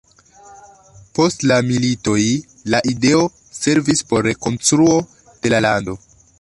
Post la militoj, la ideo servis por rekonstruo de la lando.